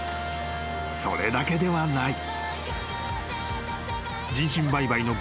［それだけではない］